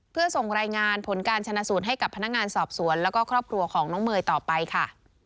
เพื่อส่งรายงานผลการชนะสูตรให้กับพนักงานสอบสวนแล้วก็ครอบครัวของน้องเมย์ต่อไปค่ะ